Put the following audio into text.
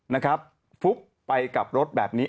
นะครับฟุบไปกับรถแบบนี้